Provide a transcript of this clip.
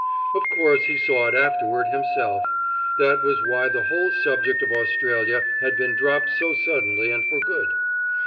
Of course he saw it afterward, himself; that was why the whole subject of Australia had been dropped so suddenly and for good.